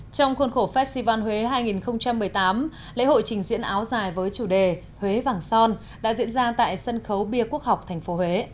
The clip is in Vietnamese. trong khuôn khổ festival huế hai nghìn một mươi tám lễ hội trình diễn áo dài với chủ đề huế vàng son đã diễn ra tại sân khấu bia quốc học tp huế